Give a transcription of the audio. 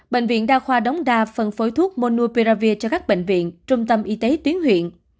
bệnh viện đa khoa đống đa phân phối thuốc monouperavir cho các bệnh viện trung tâm y tế tuyến huyện